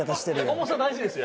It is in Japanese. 重さ大事ですよ